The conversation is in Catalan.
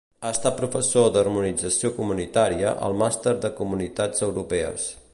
Ha estat professor d'harmonització Comunitària al Màster de Comunitats Europees.